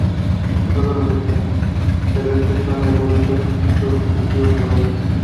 Todos los extraterrestres son devueltos a sus respectivos hogares.